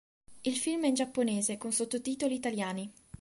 Il film è in giapponese con sottotitoli italiani.